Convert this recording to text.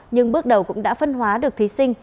nhưng bước đầu cũng đã phân hóa được thí sinh